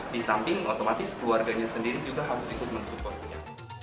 di samping otomatis keluarganya sendiri juga harus ikut mensupportnya